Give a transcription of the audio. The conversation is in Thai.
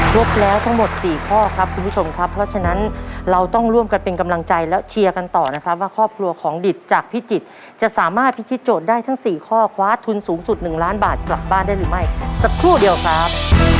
บแล้วทั้งหมด๔ข้อครับคุณผู้ชมครับเพราะฉะนั้นเราต้องร่วมกันเป็นกำลังใจและเชียร์กันต่อนะครับว่าครอบครัวของดิตจากพิจิตรจะสามารถพิธีโจทย์ได้ทั้งสี่ข้อคว้าทุนสูงสุด๑ล้านบาทกลับบ้านได้หรือไม่สักครู่เดียวครับ